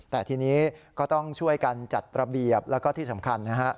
แต่ทีนี้ก็ต้องช่วยกันจัดระเบียบแล้วก็ที่สำคัญนะฮะ